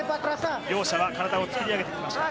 両者は体を作り上げてきました。